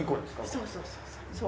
そうそうそうそう。